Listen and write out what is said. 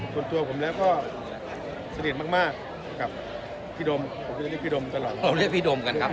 ส่วนตัวผมแหละก็เรียกมากกับพี่ดม